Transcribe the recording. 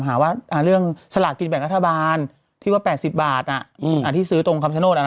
หาว่าเรื่องสลากกินแบ่งรัฐบาลที่ว่า๘๐บาทที่ซื้อตรงคำชโนธ